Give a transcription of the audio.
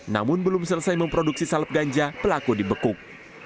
namun belum selesai memproduksi salep ganja pelaku dibekuk